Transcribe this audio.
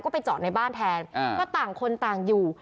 ก็ไปจอดในบ้านแทนก็ต่างคนต่างอยู่